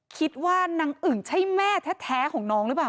คิดว่านางอึ่งใช่แม่แท้ของน้องหรือเปล่า